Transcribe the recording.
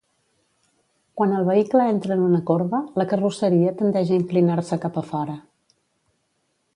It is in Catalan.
Quan el vehicle entra en una corba, la carrosseria tendeix a inclinar-se cap a fora.